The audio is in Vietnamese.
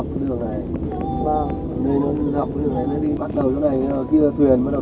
thường là hàng đêm khách hàng có grande giảm thiêm đau khổ